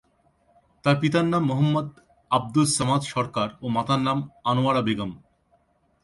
তার পিতার নাম মো: আব্দুস সামাদ সরকার ও মাতার নাম আনোয়ারা বেগম।